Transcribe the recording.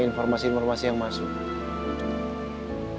informasi informasi yang masuk